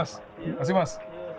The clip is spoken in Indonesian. terima kasih mas